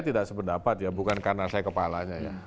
tidak sependapat ya bukan karena saya kepalanya ya